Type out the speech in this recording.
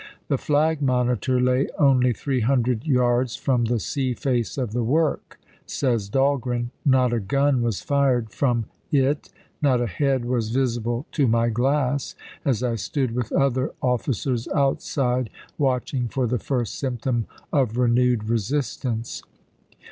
" The flag monitor lay only three hundred yards from the sea face of the work," says Dahlgren ;" not a gun was fired from it ; not a head was visible to my glass, as I stood c^Sittee with other officers outside watching for the first It thenwar! symptom of renewed resistance."